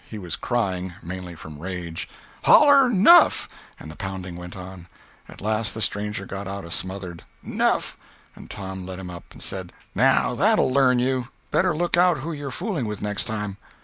He was crying—mainly from rage. "Holler 'nuff!"—and the pounding went on. At last the stranger got out a smothered "'Nuff!" and Tom let him up and said: "Now that'll learn you. Better look out who you're fooling with next time."